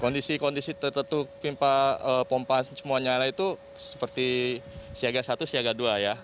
kondisi kondisi tertentu pimpa pompa semuanya itu seperti siaga satu siaga dua ya